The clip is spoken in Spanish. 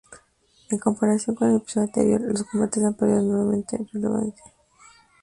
En comparación con el episodio anterior, los combates han perdido enormemente relevancia.